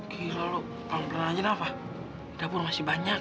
gila lu panggung pernah nanya kenapa di dapur masih banyak